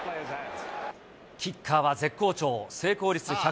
キッカーは絶好調、成功率１００